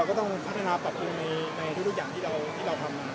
ก็ต้องพัฒนาปรับปรุงในทุกอย่างที่เราทำ